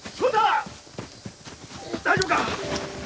大丈夫か？